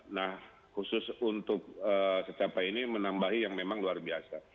nah khusus untuk secapai ini menambahi yang memang luar biasa